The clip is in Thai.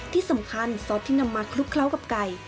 ที่สำคัญซอสที่นำมาคลุกเคล้ากับไก่